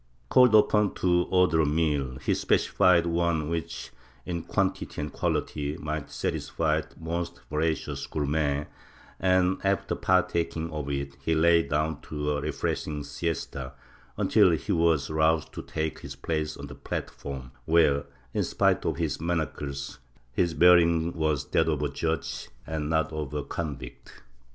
Called upon to order a meal, he specified one which in quantity and quality might satisfy the most voracious gourmet and, after partaking of it, he lay down to a refreshing siesta, until he was roused to take his place on the platform where, in spite of his manacles, his bearing was that of a judge and not of a convict.